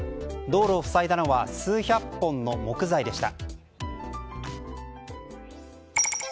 道路を塞いだのは数百本の木材でした。